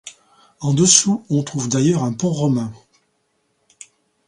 En-dessous, on trouve d'ailleurs un Pont Romain.